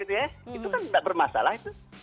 itu kan tidak bermasalah